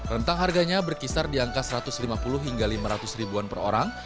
rentang harganya berkisar di angka satu ratus lima puluh hingga lima ratus ribuan per orang